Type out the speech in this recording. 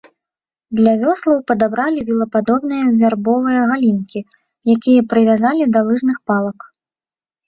Для вёслаў падабралі вілападобныя вярбовыя галінкі, якія прывязалі да лыжных палак.